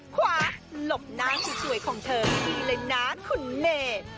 ขวาหลบหน้าช่วยของเธอนี่เลยนะคุณเมฆ